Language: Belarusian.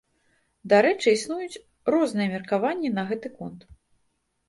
Дарэчы, існуюць розныя меркаванні на гэты конт.